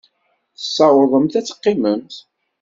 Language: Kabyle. Tessawḍemt ad teqqimemt?